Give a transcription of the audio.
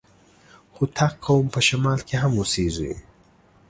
هوتک قوم په شمال کي هم اوسېږي.